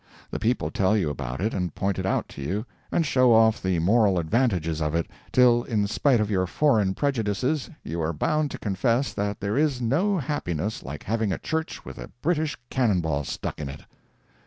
The people tell you about it, and point it out to you, and show off the moral advantages of it, till, in spite of your foreign prejudices, you are bound to confess that there is no happiness like having a church with a British cannon ball stuck in it.